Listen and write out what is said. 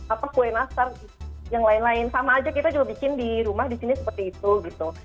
apa kue nastar yang lain lain sama aja kita juga bikin di rumah di sini seperti itu gitu